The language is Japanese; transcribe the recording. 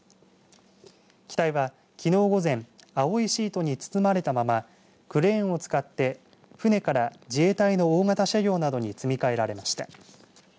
機体はきのう午前、青いシートに包まれたままクレーンを使って船から自衛隊の大型車両などに積み替えられました。